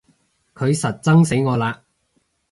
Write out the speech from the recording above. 佢實憎死我啦！